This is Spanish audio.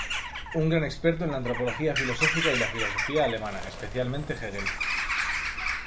Un gran experto en la antropología filosófica y la filosofía alemana especialmente Hegel.